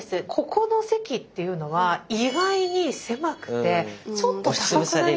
ここの席っていうのは意外に狭くてちょっと高くなりませんか？